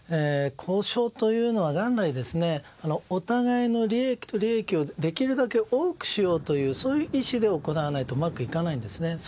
交渉というのは元来、お互いの利益と利益をできるだけ多くしようという意思で行わないとうまくいかないんですね。